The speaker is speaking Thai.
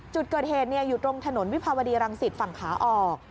จุดเกิดเหตุอยู่ตรงถนนวิภาวดีรังสิตฝั่งขาออก